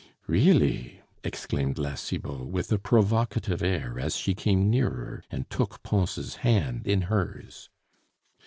"Really?" exclaimed La Cibot, with a provocative air as she came nearer and took Pons' hand in hers.